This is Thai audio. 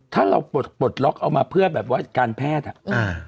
ถ้าเราปลดปลดล็อกเอามาเพื่อแบบว่าการแพทย์อ่ะอ่า